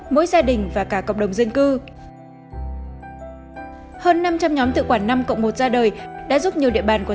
mỗi gia đình và cả cộng đồng dân cư